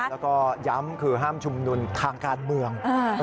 แล้วก็ย้ำคือห้ามชุมนุมทางการเมือง